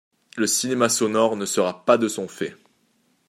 Le cinéma sonore ne sera pas de son fait.